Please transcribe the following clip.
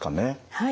はい。